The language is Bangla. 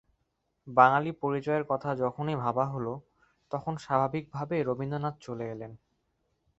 বাঙালি পরিচয়ের কথা যখনই ভাবা হলো, তখন স্বাভাবিকভাবেই রবীন্দ্রনাথ চলে এলেন।